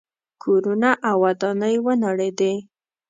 کورونه او ودانۍ ونړېدې.